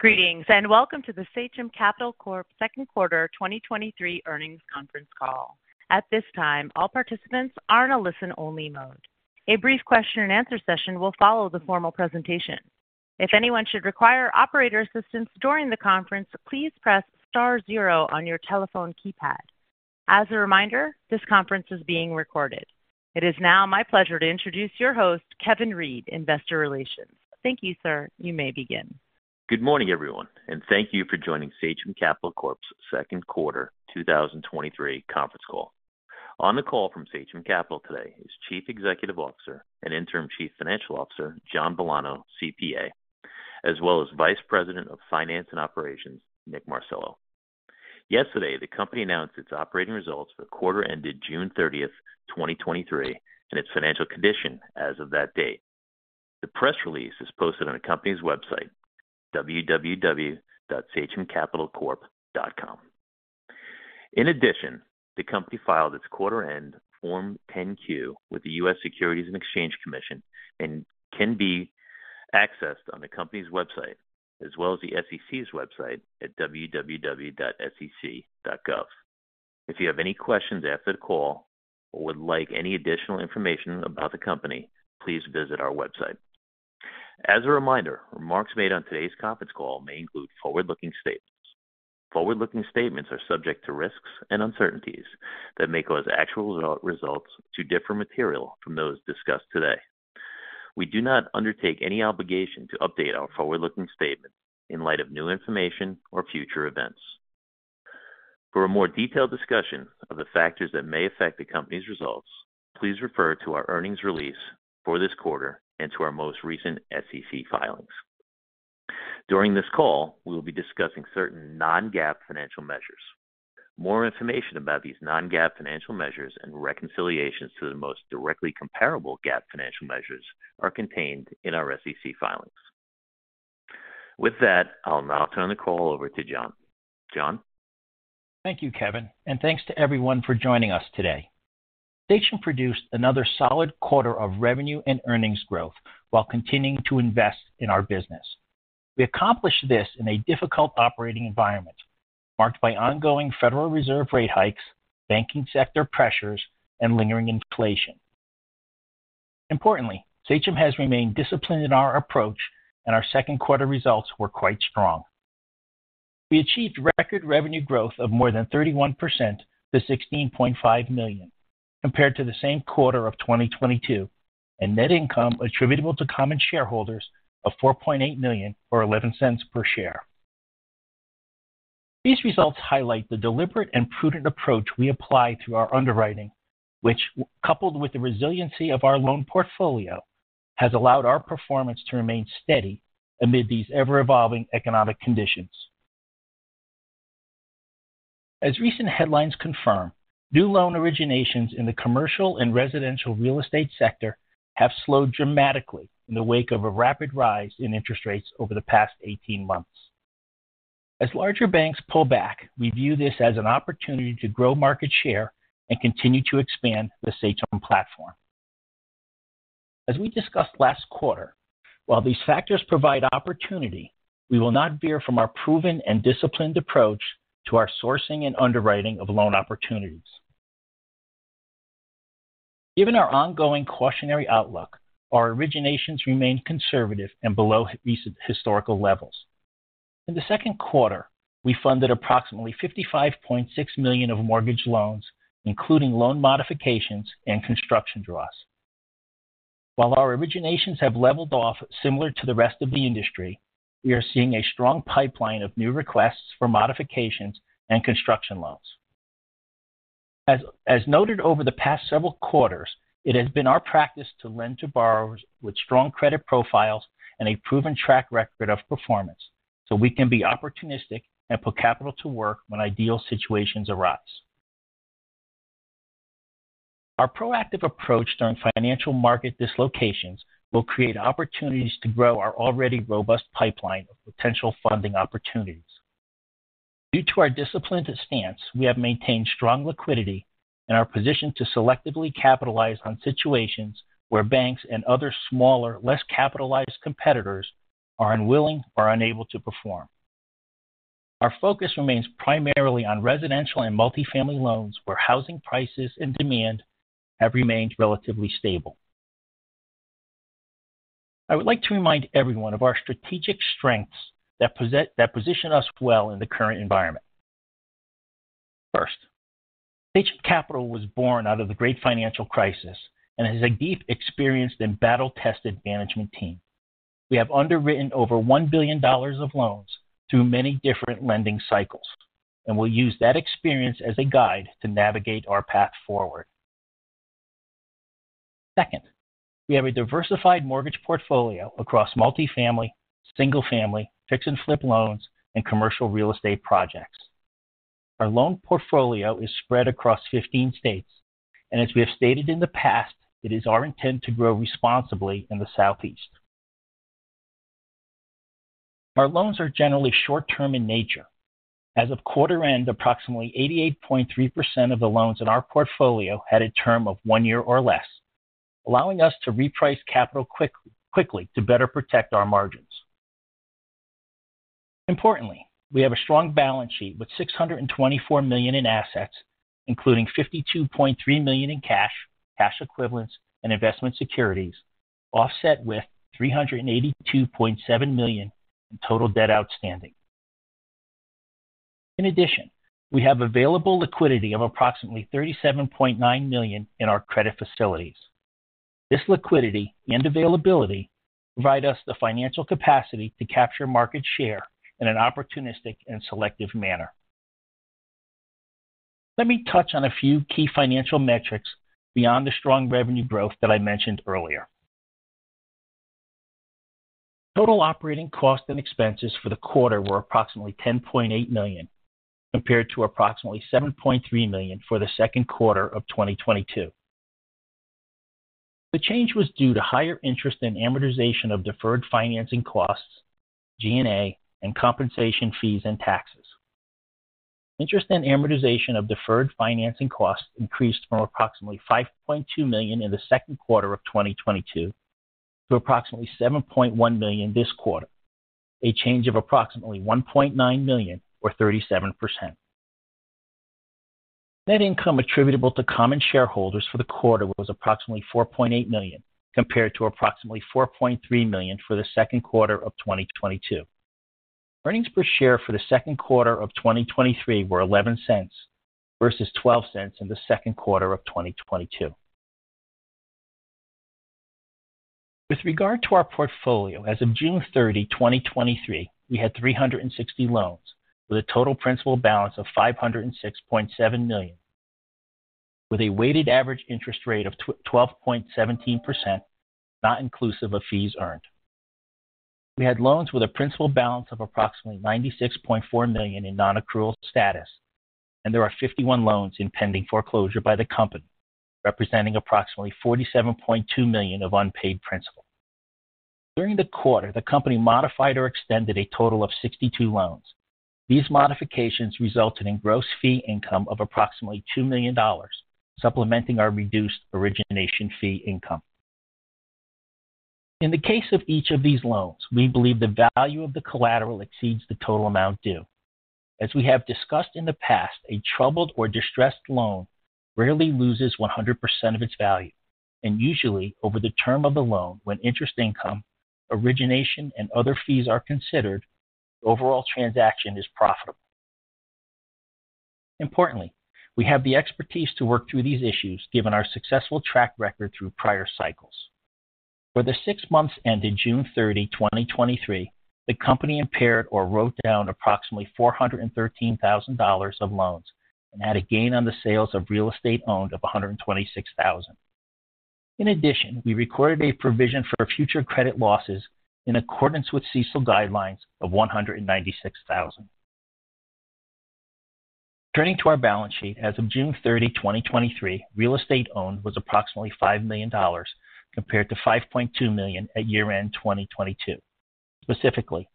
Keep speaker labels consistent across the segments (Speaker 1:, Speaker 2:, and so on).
Speaker 1: Greetings. Welcome to the Sachem Capital Corp second quarter 2023 earnings conference call. At this time, all participants are in a listen-only mode. A brief question and answer session will follow the formal presentation. If anyone should require operator assistance during the conference, please press star 0 on your telephone keypad. As a reminder, this conference is being recorded. It is now my pleasure to introduce your host, Kevin Reed, Investor Relations. Thank you, sir. You may begin.
Speaker 2: Good morning, everyone, thank you for joining Sachem Capital Corp's second quarter 2023 conference call. On the call from Sachem Capital today is Chief Executive Officer and Interim Chief Financial Officer, John Villano, CPA, as well as Vice President of Finance and Operations, Nick Marcello. Yesterday, the company announced its operating results for the quarter ended June 30, 2023, and its financial condition as of that date. The press release is posted on the company's website, www.sachemcapitalcorp.com. In addition, the company filed its quarter-end Form 10-Q with the U.S. Securities and Exchange Commission and can be accessed on the company's website, as well as the SEC's website at www.sec.gov. If you have any questions after the call or would like any additional information about the company, please visit our website. As a reminder, remarks made on today's conference call may include forward-looking statements. Forward-looking statements are subject to risks and uncertainties that may cause actual results to differ materially from those discussed today. We do not undertake any obligation to update our forward-looking statements in light of new information or future events. For a more detailed discussion of the factors that may affect the company's results, please refer to our earnings release for this quarter and to our most recent SEC filings. During this call, we will be discussing certain non-GAAP financial measures. More information about these non-GAAP financial measures and reconciliations to the most directly comparable GAAP financial measures are contained in our SEC filings. With that, I'll now turn the call over to John. John?
Speaker 3: Thank you, Kevin, and thanks to everyone for joining us today. Sachem produced another solid quarter of revenue and earnings growth while continuing to invest in our business. We accomplished this in a difficult operating environment marked by ongoing Federal Reserve rate hikes, banking sector pressures, and lingering inflation. Importantly, Sachem has remained disciplined in our approach, our second quarter results were quite strong. We achieved record revenue growth of more than 31% to $16.5 million compared to the same quarter of 2022, net income attributable to common shareholders of $4.8 million, or $0.11 per share. These results highlight the deliberate and prudent approach we apply to our underwriting, which, coupled with the resiliency of our loan portfolio, has allowed our performance to remain steady amid these ever-evolving economic conditions. As recent headlines confirm, new loan originations in the commercial and residential real estate sector have slowed dramatically in the wake of a rapid rise in interest rates over the past 18 months. As larger banks pull back, we view this as an opportunity to grow market share and continue to expand the Sachem platform. As we discussed last quarter, while these factors provide opportunity, we will not veer from our proven and disciplined approach to our sourcing and underwriting of loan opportunities. Given our ongoing cautionary outlook, our originations remain conservative and below recent historical levels. In the second quarter, we funded approximately $55.6 million of mortgage loans, including loan modifications and construction draws. While our originations have leveled off similar to the rest of the industry, we are seeing a strong pipeline of new requests for modifications and construction loans. As, as noted over the past several quarters, it has been our practice to lend to borrowers with strong credit profiles and a proven track record of performance, so we can be opportunistic and put capital to work when ideal situations arise. Our proactive approach during financial market dislocations will create opportunities to grow our already robust pipeline of potential funding opportunities. Due to our disciplined stance, we have maintained strong liquidity and are positioned to selectively capitalize on situations where banks and other smaller, less capitalized competitors are unwilling or unable to perform. Our focus remains primarily on residential and multifamily loans, where housing prices and demand have remained relatively stable. I would like to remind everyone of our strategic strengths that position us well in the current environment. First, Sachem Capital was born out of the great financial crisis and has a deep, experienced and battle-tested management team. We have underwritten over $1 billion of loans through many different lending cycles, and we'll use that experience as a guide to navigate our path forward. Second, we have a diversified mortgage portfolio across multifamily, single-family, fix and flip loans, and commercial real estate projects. Our loan portfolio is spread across 15 states, and as we have stated in the past, it is our intent to grow responsibly in the Southeast. Our loans are generally short-term in nature. As of quarter end, approximately 88.3% of the loans in our portfolio had a term of one year or less allowing us to reprice capital quick, quickly to better protect our margins. Importantly, we have a strong balance sheet with $624 million in assets, including $52.3 million in cash, cash equivalents, and investment securities, offset with $382.7 million in total debt outstanding. In addition, we have available liquidity of approximately $37.9 million in our credit facilities. This liquidity and availability provide us the financial capacity to capture market share in an opportunistic and selective manner. Let me touch on a few key financial metrics beyond the strong revenue growth that I mentioned earlier. Total operating costs and expenses for the quarter were approximately $10.8 million, compared to approximately $7.3 million for the second quarter of 2022. The change was due to higher interest and amortization of deferred financing costs, G&A, and compensation fees and taxes. Interest and amortization of deferred financing costs increased from approximately $5.2 million in the second quarter of 2022 to approximately $7.1 million this quarter, a change of approximately $1.9 million or 37%. Net income attributable to common shareholders for the quarter was approximately $4.8 million, compared to approximately $4.3 million for the second quarter of 2022. Earnings per share for the second quarter of 2023 were $0.11 versus $0.12 in the second quarter of 2022. With regard to our portfolio, as of June 30, 2023, we had 360 loans with a total principal balance of $506.7 million, with a weighted average interest rate of 12.17% weighted average interest rate, not inclusive of fees earned. We had loans with a principal balance of approximately $96.4 million in non-accrual status. There are 51 loans in pending foreclosure by the company, representing approximately $47.2 million of unpaid principal. During the quarter, the company modified or extended a total of 62 loans. These modifications resulted in gross fee income of approximately $2 million, supplementing our reduced origination fee income. In the case of each of these loans, we believe the value of the collateral exceeds the total amount due. As we have discussed in the past, a troubled or distressed loan rarely loses 100% of its value, and usually over the term of the loan, when interest income, origination, and other fees are considered, the overall transaction is profitable. Importantly, we have the expertise to work through these issues, given our successful track record through prior cycles. For the six months ended June 30, 2023, the company impaired or wrote down approximately $413,000 of loans and had a gain on the sales of real estate owned of $126,000. In addition, we recorded a provision for future credit losses in accordance with CECL guidelines of $196,000. Turning to our balance sheet, as of June 30, 2023, real estate owned was approximately $5 million, compared to $5.2 million at year-end 2022. Specifically,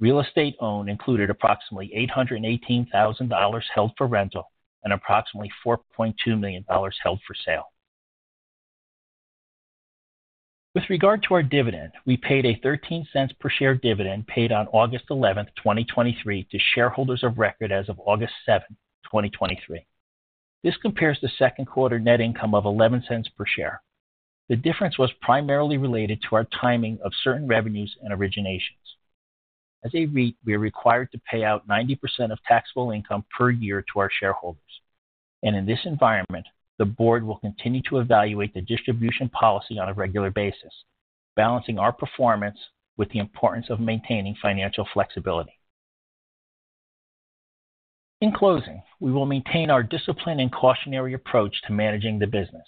Speaker 3: real estate owned included approximately $818,000 held for rental and approximately $4.2 million held for sale. With regard to our dividend, we paid a $0.13 per share dividend paid on August 11, 2023, to shareholders of record as of August 7, 2023. This compares to second quarter net income of $0.11 per share. The difference was primarily related to our timing of certain revenues and originations. As a REIT, we are required to pay out 90% of taxable income per year to our shareholders, and in this environment, the board will continue to evaluate the distribution policy on a regular basis, balancing our performance with the importance of maintaining financial flexibility. In closing, we will maintain our disciplined and cautionary approach to managing the business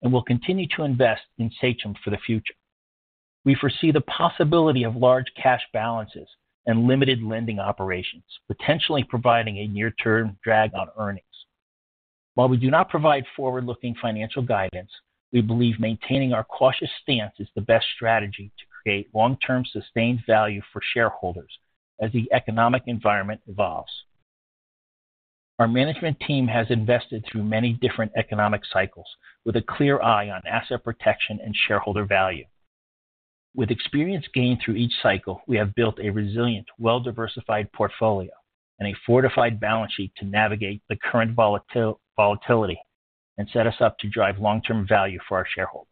Speaker 3: and will continue to invest in Sachem for the future. We foresee the possibility of large cash balances and limited lending operations, potentially providing a near-term drag on earnings. While we do not provide forward-looking financial guidance, we believe maintaining our cautious stance is the best strategy to create long-term sustained value for shareholders as the economic environment evolves. Our management team has invested through many different economic cycles with a clear eye on asset protection and shareholder value. With experience gained through each cycle, we have built a resilient, well-diversified portfolio and a fortified balance sheet to navigate the current volatility and set us up to drive long-term value for our shareholders.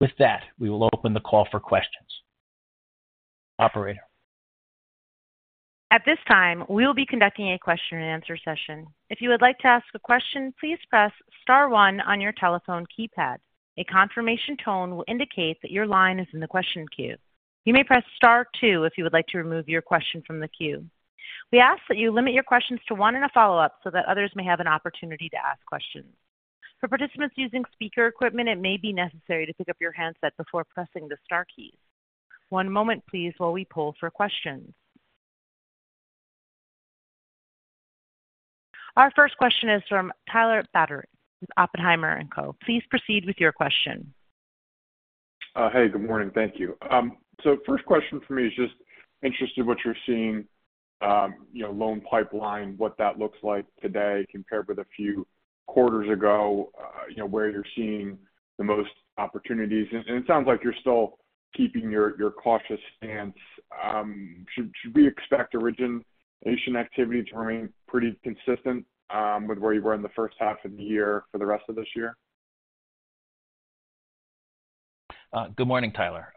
Speaker 3: With that, we will open the call for questions. Operator?
Speaker 1: At this time, we will be conducting a question and answer session. If you would like to ask a question, please press star one on your telephone keypad. A confirmation tone will indicate that your line is in the question queue. You may press Star two if you would like to remove your question from the queue. We ask that you limit your questions to one and a follow-up so that others may have an opportunity to ask questions. For participants using speaker equipment, it may be necessary to pick up your handset before pressing the star keys. One moment please while we poll for questions. Our first question is from Tyler Thayer with Oppenheimer & Co. Please proceed with your question.
Speaker 4: Hey, good morning. Thank you. So first question for me is just interested what you're seeing, you know, loan pipeline, what that looks like today compared with a few quarters ago, you know, where you're seeing the most opportunities. It sounds like you're still keeping your, your cautious stance. Should, should we expect origination activity to remain pretty consistent, with where you were in the first half of the year for the rest of this year?
Speaker 3: Good morning, Tyler.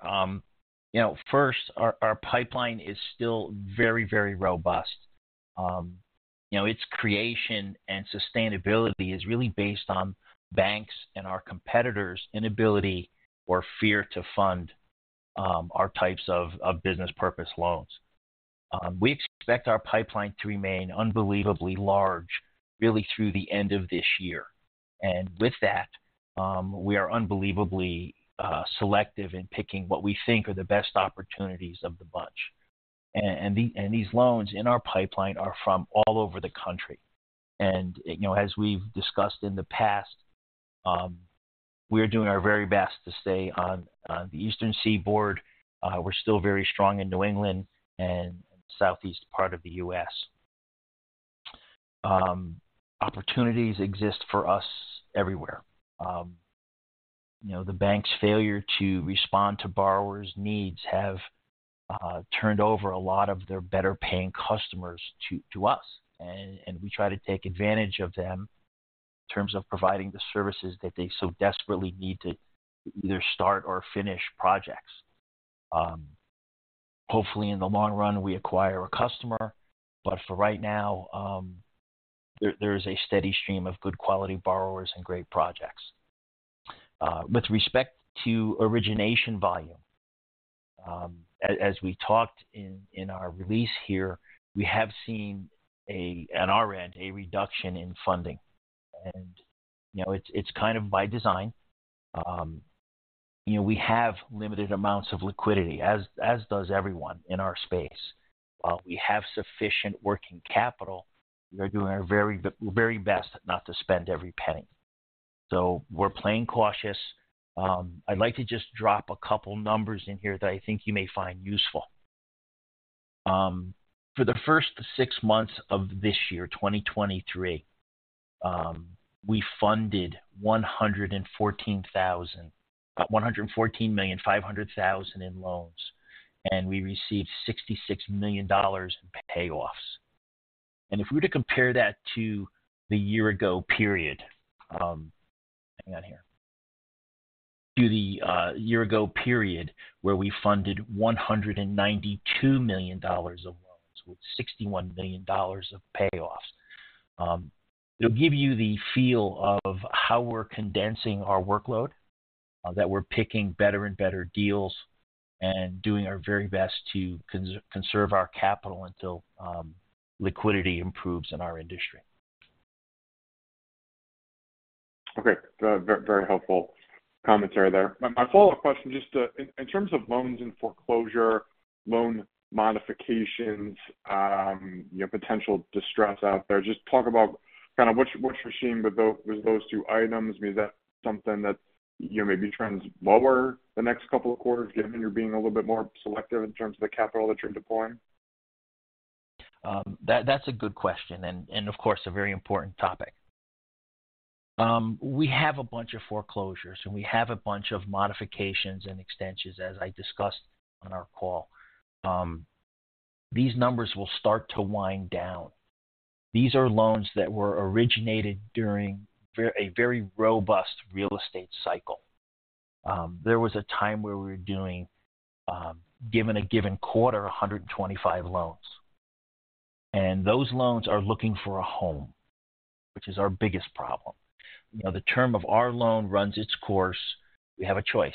Speaker 3: You know, first, our, our pipeline is still very, very robust. You know, its creation and sustainability is really based on banks and our competitors' inability or fear to fund our types of business purpose loans. We expect our pipeline to remain unbelievably large, really through the end of this year. With that, we are unbelievably selective in picking what we think are the best opportunities of the bunch. These loans in our pipeline are from all over the country. You know, as we've discussed in the past, we are doing our very best to stay on the Eastern Seaboard. We're still very strong in New England and Southeast part of the US. Opportunities exist for us everywhere. You know, the bank's failure to respond to borrowers' needs have turned over a lot of their better-paying customers to us, and we try to take advantage of them in terms of providing the services that they so desperately need to either start or finish projects. Hopefully, in the long run, we acquire a customer, but for right now, there is a steady stream of good quality borrowers and great projects. With respect to origination volume, as we talked in our release here, we have seen a reduction in funding. You know, it's kind of by design. You know, we have limited amounts of liquidity, as does everyone in our space. While we have sufficient working capital, we are doing our very best not to spend every penny. We're playing cautious. I'd like to just drop a couple numbers in here that I think you may find useful. For the first six months of this year, 2023, we funded $114.5 million in loans, and we received $66 million in payoffs. If we were to compare that to the year-ago period. To the year-ago period, where we funded $192 million of loans with $61 million of payoffs. It'll give you the feel of how we're condensing our workload, that we're picking better and better deals and doing our very best to conserve our capital until liquidity improves in our industry.
Speaker 4: Okay. Very helpful commentary there. My, my follow-up question, just, in, in terms of loans and foreclosure, loan modifications, you know, potential distress out there, just talk about kind of what you, what you're seeing with those two items. I mean, is that something that, you know, maybe trends lower the next couple of quarters, given you're being a little bit more selective in terms of the capital that you're deploying?
Speaker 3: That, that's a good question and, and of course, a very important topic. We have a bunch of foreclosures, and we have a bunch of modifications and extensions, as I discussed on our call. These numbers will start to wind down. These are loans that were originated during a very robust real estate cycle. There was a time where we were doing, given a given quarter, 125 loans. Those loans are looking for a home, which is our biggest problem. You know, the term of our loan runs its course. We have a choice.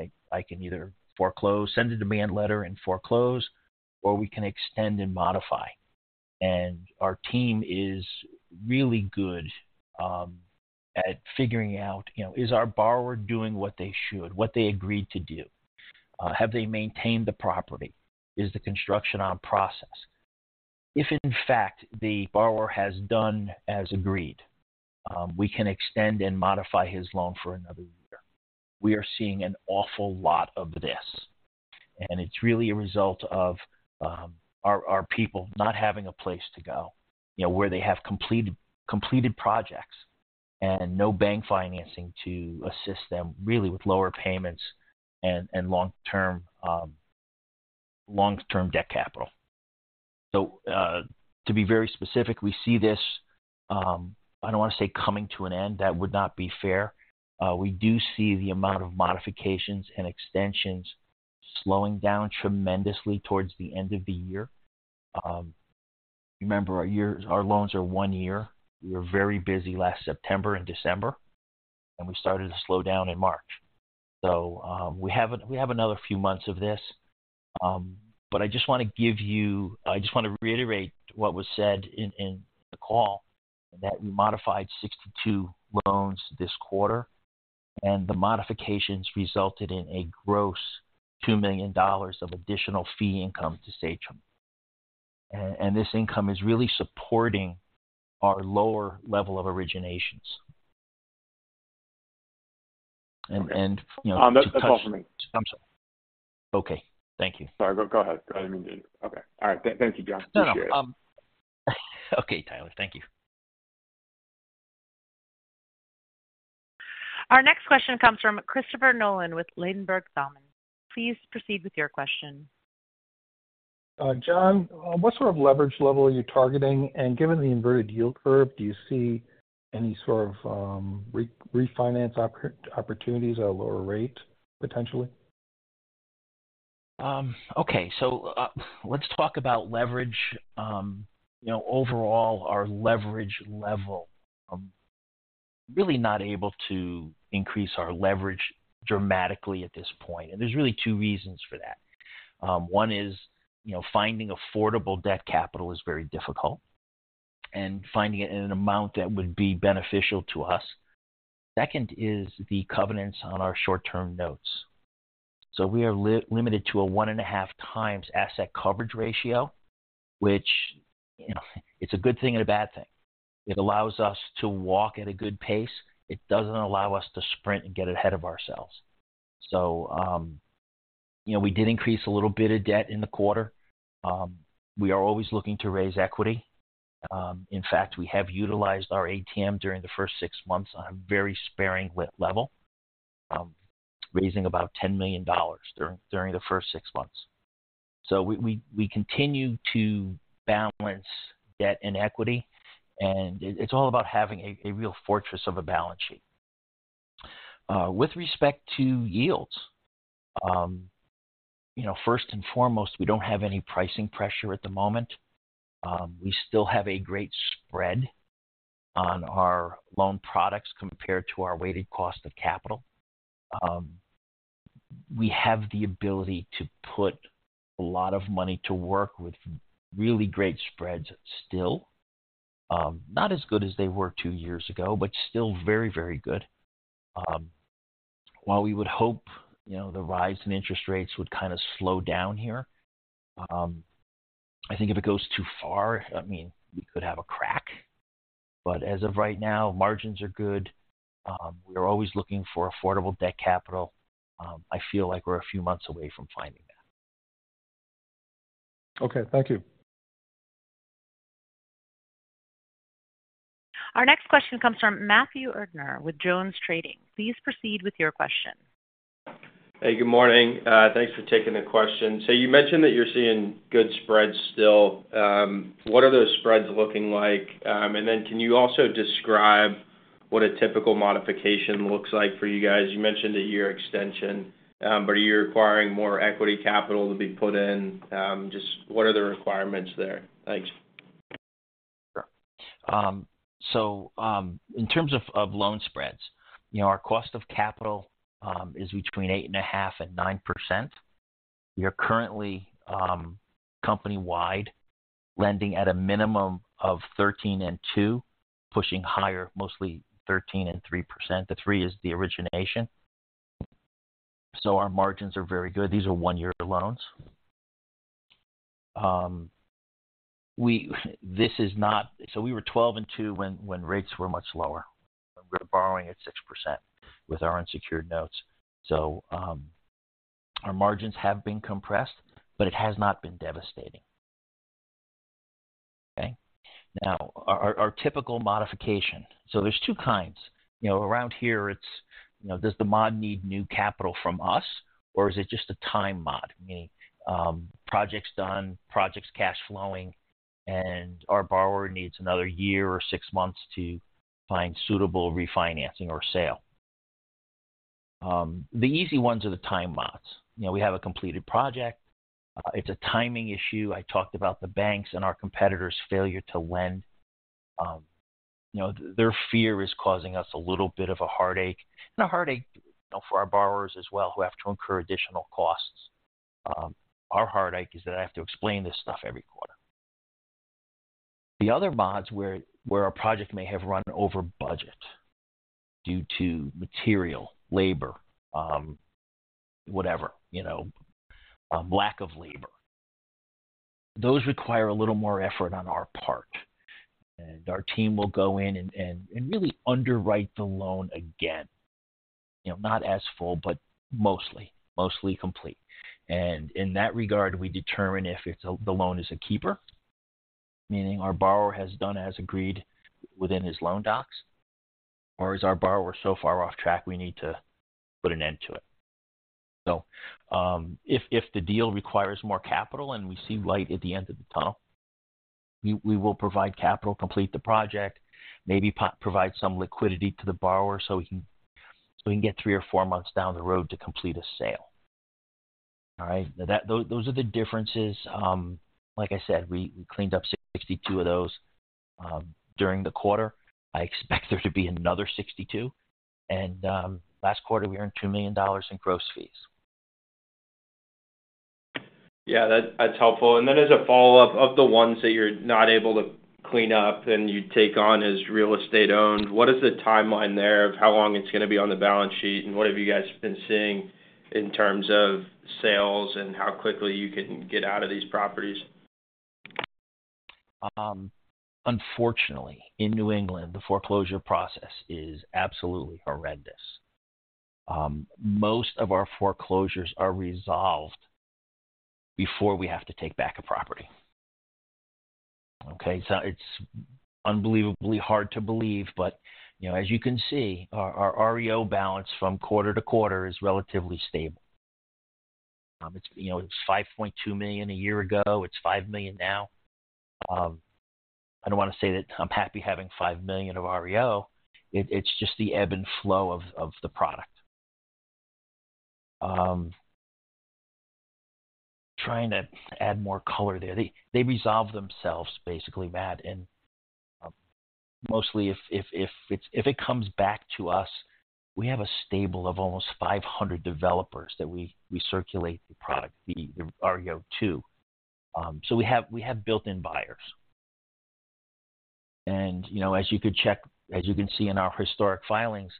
Speaker 3: I, I can either foreclose, send a demand letter and foreclose, or we can extend and modify. Our team is really good at figuring out, you know, is our borrower doing what they should, what they agreed to do? Have they maintained the property? Is the construction on process? If, in fact, the borrower has done as agreed, we can extend and modify his loan for another year. We are seeing an awful lot of this, and it's really a result of, our people not having a place to go, you know, where they have completed projects and no bank financing to assist them, really, with lower payments and, and long-term, long-term debt capital. To be very specific, we see this, I don't want to say coming to an end. That would not be fair. We do see the amount of modifications and extensions slowing down tremendously towards the end of the year. Remember, our loans are one year. We were very busy last September and December, and we started to slow down in March. we have, we have another few months of this. I just want to give you. I just want to reiterate what was said in the call, that we modified 62 loans this quarter, the modifications resulted in a gross $2 million of additional fee income to Sachem. this income is really supporting our lower level of originations. you know.
Speaker 4: That's all for me.
Speaker 3: I'm sorry. Okay, thank you.
Speaker 2: Sorry. Go, go ahead. I didn't mean to... Okay. All right. Thank you, John. Appreciate it.
Speaker 3: Okay, Tyler. Thank you.
Speaker 1: Our next question comes from Christopher Nolan with Ladenburg Thalmann. Please proceed with your question.
Speaker 5: John, what sort of leverage level are you targeting? Given the inverted yield curve, do you see any sort of refinance opportunities at a lower rate, potentially?
Speaker 3: Let's talk about leverage. You know, overall, our leverage level, really not able to increase our leverage dramatically at this point, and there's really two reasons for that. One is, you know, finding affordable debt capital is very difficult, and finding it in an amount that would be beneficial to us. Second is the covenants on our short-term notes. We are limited to a one and a half times asset coverage ratio, which, you know, it's a good thing and a bad thing. It allows us to walk at a good pace. It doesn't allow us to sprint and get ahead of ourselves. You know, we did increase a little bit of debt in the quarter. We are always looking to raise equity. In fact, we have utilized our ATM during the first six months on a very sparing level, raising about $10 million during the first six months. We continue to balance debt and equity, and it's all about having a real fortress of a balance sheet. With respect to yields, you know, first and foremost, we don't have any pricing pressure at the moment. We still have a great spread on our loan products compared to our weighted cost of capital. We have the ability to put a lot of money to work with really great spreads still. Not as good as they were two years ago, but still very, very good. While we would hope, you know, the rise in interest rates would kind of slow down here, I think if it goes too far, I mean, we could have a crack. As of right now, margins are good. We're always looking for affordable debt capital. I feel like we're a few months away from finding that.
Speaker 5: Okay. Thank you.
Speaker 1: Our next question comes from Matthew Erdner with Jones Trading. Please proceed with your question.
Speaker 6: Hey, good morning. Thanks for taking the question. You mentioned that you're seeing good spreads still. What are those spreads looking like? Can you also describe what a typical modification looks like for you guys? You mentioned a year extension. Are you requiring more equity capital to be put in? Just what are the requirements there? Thanks.
Speaker 3: In terms of loan spreads, you know, our cost of capital is between 8.5% and 9%. We are currently, company-wide, lending at a minimum of 13.2%, pushing higher, mostly 13.3%. The three is the origination. Our margins are very good. These are one-year loans. We were 12.2% when rates were much lower. We're borrowing at 6% with our unsecured notes. Our margins have been compressed, but it has not been devastating. Okay? Now, our, our, our typical modification. There's two kinds. You know, around here, it's, you know, does the mod need new capital from us, or is it just a time mod? Meaning, project's done, project's cash flowing, and our borrower needs another year or six months to find suitable refinancing or sale. The easy ones are the time mods. You know, we have a completed project. It's a timing issue. I talked about the banks and our competitors' failure to lend. You know, their fear is causing us a little bit of a heartache, and a heartache, you know, for our borrowers as well, who have to incur additional costs. Our heartache is that I have to explain this stuff every quarter. The other mods, where, where a project may have run over budget due to material, labor, whatever, you know, lack of labor. Those require a little more effort on our part, and our team will go in and, and, and really underwrite the loan again. You know, not as full, but mostly, mostly complete. In that regard, we determine if it's, the loan is a keeper, meaning our borrower has done as agreed within his loan docs, or is our borrower so far off track, we need to put an end to it. If, if the deal requires more capital and we see light at the end of the tunnel, we, we will provide capital, complete the project, maybe provide some liquidity to the borrower so he can, so he can get three or four months down the road to complete a sale. All right? Those, those are the differences. Like I said, we, we cleaned up 62 of those during the quarter. I expect there to be another 62. Last quarter, we earned $2 million in gross fees.
Speaker 6: Yeah, that, that's helpful. As a follow-up, of the ones that you're not able to clean up and you take on as real estate owned, what is the timeline there of how long it's going to be on the balance sheet? What have you guys been seeing in terms of sales, and how quickly you can get out of these properties?
Speaker 3: Unfortunately, in New England, the foreclosure process is absolutely horrendous. Most of our foreclosures are resolved before we have to take back a property, okay? It's unbelievably hard to believe, but, you know, as you can see, our, our REO balance from quarter to quarter is relatively stable. It's, you know, it's $5.2 million a year ago, it's $5 million now. I don't want to say that I'm happy having $5 million of REO, it, it's just the ebb and flow of, of the product. Trying to add more color there. They, they resolve themselves, basically, Matt, and, mostly if, if it comes back to us, we have a stable of almost 500 developers that we, we circulate the product, the, the REO to. We have, we have built-in buyers. You know, as you can see in our historic filings,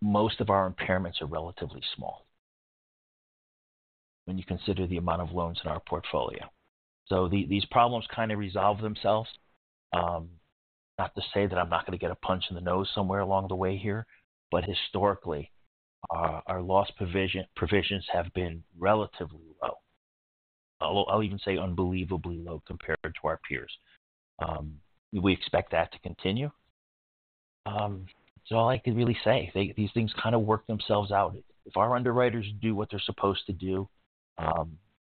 Speaker 3: most of our impairments are relatively small when you consider the amount of loans in our portfolio. These problems kind of resolve themselves. Not to say that I'm not going to get a punch in the nose somewhere along the way here, historically, our loss provisions have been relatively low. I'll, I'll even say unbelievably low compared to our peers. We expect that to continue. All I can really say, these things kind of work themselves out. If our underwriters do what they're supposed to do,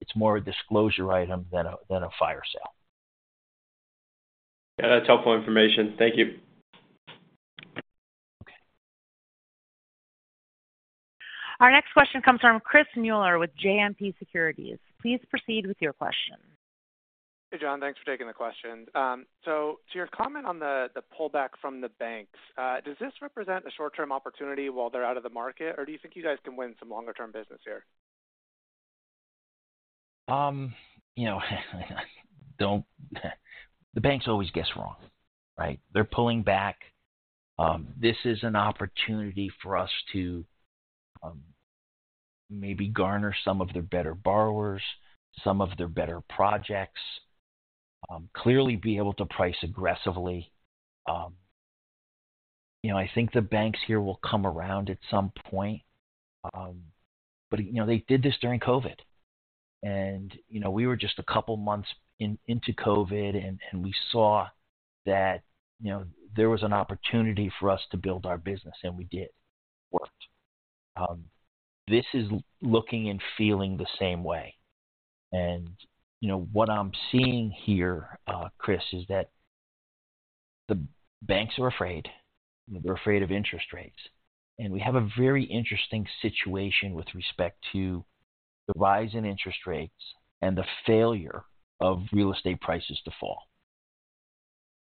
Speaker 3: it's more a disclosure item than a, than a fire sale.
Speaker 6: Yeah, that's helpful information. Thank you.
Speaker 3: Okay.
Speaker 1: Our next question comes from Chris Muller with JMP Securities. Please proceed with your question.
Speaker 7: Hey, John. Thanks for taking the question. To your comment on the pullback from the banks, does this represent a short-term opportunity while they're out of the market? Or do you think you guys can win some longer-term business here?
Speaker 3: You know, don't... The banks always guess wrong, right? They're pulling back. This is an opportunity for us to, maybe garner some of their better borrowers, some of their better projects, clearly be able to price aggressively. You know, I think the banks here will come around at some point. You know, they did this during COVID, and, you know, we were just a couple months in, into COVID, and, and we saw that, you know, there was an opportunity for us to build our business, and we did. It worked. This is looking and feeling the same way. You know, what I'm seeing here, Chris, is that the banks are afraid. They're afraid of interest rates. We have a very interesting situation with respect to the rise in interest rates and the failure of real estate prices to fall.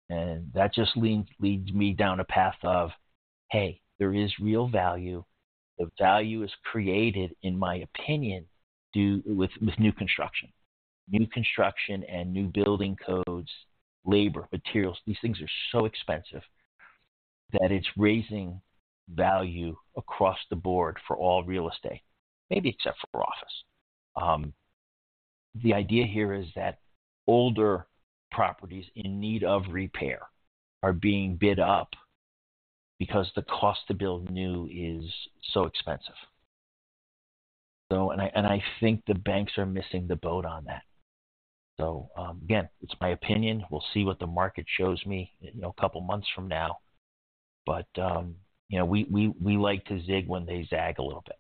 Speaker 3: That just leads, leads me down a path of, hey, there is real value. The value is created, in my opinion, with new construction. New construction and new building codes, labor, materials, these things are so expensive that it's raising value across the board for all real estate, maybe except for office. The idea here is that older properties in need of repair are being bid up because the cost to build new is so expensive. I think the banks are missing the boat on that. Again, it's my opinion. We'll see what the market shows me, you know, a couple of months from now. you know, we, we, we like to zig when they zag a little bit.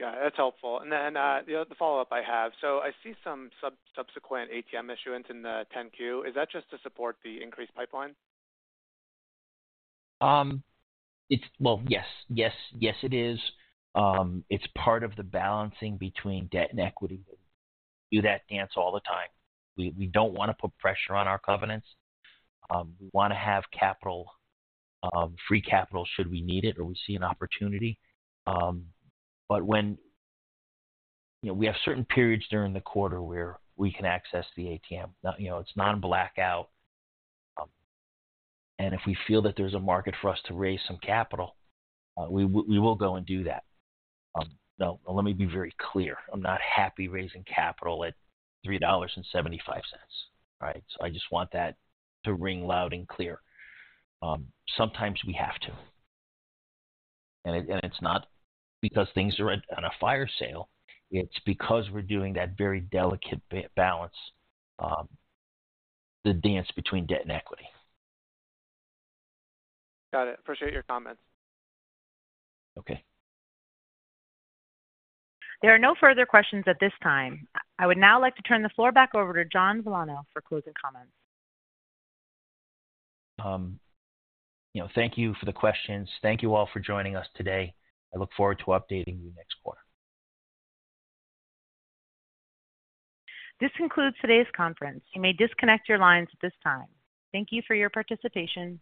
Speaker 7: Yeah, that's helpful. Then, the other follow-up I have. I see some sub-subsequent ATM issuance in the Form 10-Q. Is that just to support the increased pipeline?
Speaker 3: It's... Well, yes. Yes, yes, it is. It's part of the balancing between debt and equity. We do that dance all the time. We, we don't want to put pressure on our covenants. We want to have capital, free capital, should we need it or we see an opportunity. When, you know, we have certain periods during the quarter where we can access the ATM, you know, it's non-blackout. If we feel that there's a market for us to raise some capital, we will, we will go and do that. Now, let me be very clear, I'm not happy raising capital at $3.75, all right? I just want that to ring loud and clear. sometimes we have to, and it, and it's not because things are at, on a fire sale, it's because we're doing that very delicate balance, the dance between debt and equity.
Speaker 7: Got it. Appreciate your comments.
Speaker 3: Okay.
Speaker 1: There are no further questions at this time. I would now like to turn the floor back over to John Villano for closing comments.
Speaker 3: You know, thank you for the questions. Thank you all for joining us today. I look forward to updating you next quarter.
Speaker 1: This concludes today's conference. You may disconnect your lines at this time. Thank you for your participation.